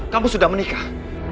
kamu sudah menikah